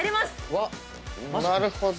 なるほど。